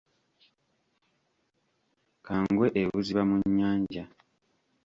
Kangwe ebuziba mu nyanja.